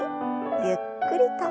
ゆっくりと。